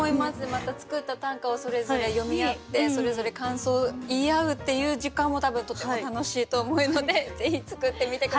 また作った短歌をそれぞれ読み合ってそれぞれ感想を言い合うっていう時間も多分とても楽しいと思うのでぜひ作ってみて下さい！